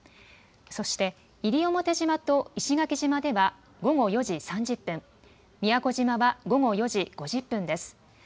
そして西表島と石垣島では午後４時３０分、宮古島は午後４時５０分です。